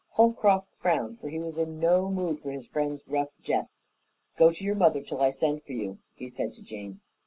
Holcroft frowned, for he was in no mood for his friend's rough jests. "Go to your mother till I send for you," he said to Jane.